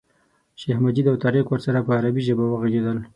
شیخ مجید او طارق ورسره په عربي ژبه وغږېدل.